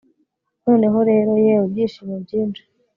Noneho rero yewe byishimo byinshi